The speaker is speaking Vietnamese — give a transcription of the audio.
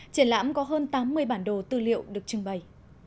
triển lãm có hơn tám mươi bản đồ tư liệu được trưng bày